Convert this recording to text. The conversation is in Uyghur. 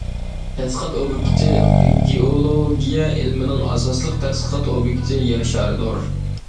تەتقىقات ئوبيېكتى گېئولوگىيە ئىلمىنىڭ ئاساسلىق تەتقىقات ئوبيېكتى يەر شارىدۇر.